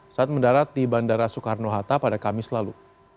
saat mendarat di bandara soekarno hatta pada kamis lalu